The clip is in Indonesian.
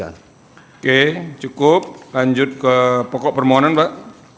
oke cukup lanjut ke pokok permohonan pak